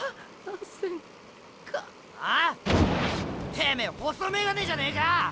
てめえ細メガネじゃねえか！